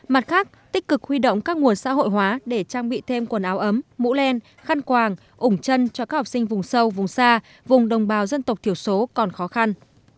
mặt khác tích cực huy động các nguồn xã hội hóa để trang bị thêm quần áo ấm mũ len khăn quàng ủng chân cho các học sinh vùng sâu vùng xa vùng đồng bào dân tộc thiểu số còn khó khăn